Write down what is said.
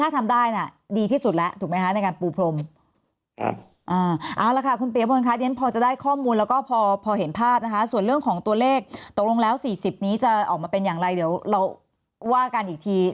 ตัวเลขตกลงแล้ว๔๐นี้จะออกมาเป็นอย่างไรเดี๋ยวเราว่ากันอีกที